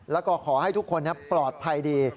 แล้วก็ขอให้ทุกคนปลอดภัยดี